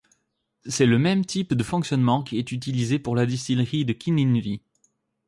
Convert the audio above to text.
C’est le même type de fonctionnement qui est utilisé pour la distillerie de Kininvie.